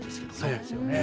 そうですよね。